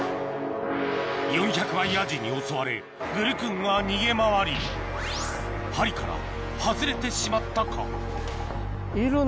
４００倍アジに襲われグルクンが逃げ回り針から外れてしまったか？